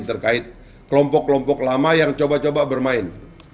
terkait kelompok kelompok lama yang coba coba bermain